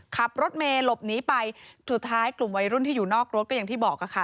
ขับรถเมย์หลบหนีไปสุดท้ายกลุ่มวัยรุ่นที่อยู่นอกรถก็อย่างที่บอกค่ะ